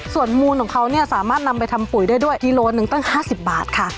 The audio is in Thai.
ส่วนมูลของเขาเนี่ยสามารถนำไปทำปุ๋ยได้ด้วยกิโลหนึ่งตั้ง๕๐บาทค่ะ